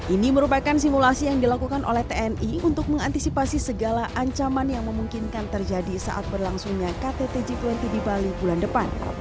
ini merupakan simulasi yang dilakukan oleh tni untuk mengantisipasi segala ancaman yang memungkinkan terjadi saat berlangsungnya kttg dua puluh di bali bulan depan